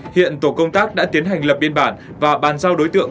hiện tổ công tác đã tiến hành lập biên bản và bàn giao đối tượng